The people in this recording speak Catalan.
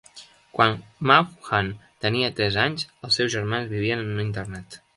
Quan Maugham tenia tres anys, els seus germans vivien en un internat.